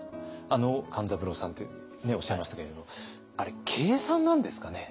あの勘三郎さんっておっしゃいましたけれどもあれ計算なんですかね？